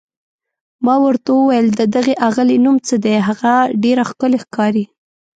ما ورته وویل: د دې اغلې نوم څه دی، هغه ډېره ښکلې ښکاري؟